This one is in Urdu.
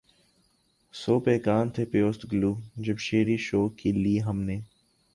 سو پیکاں تھے پیوست گلو جب چھیڑی شوق کی لے ہم نے